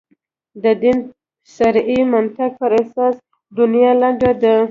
د دین صریح منطق پر اساس دنیا لنډه ده.